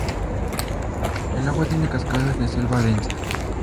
El agua tiene cascadas de selva densa.